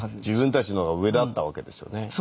自分たちの方が上だったわけですよね。